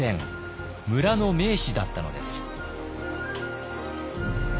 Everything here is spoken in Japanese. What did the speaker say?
村の名士だったのです。